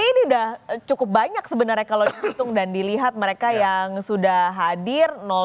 ini sudah cukup banyak sebenarnya kalau dihitung dan dilihat mereka yang sudah hadir